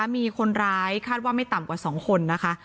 มีคนร้ายคาดว่าไม่ต่ำกว่า๒คนนะคะ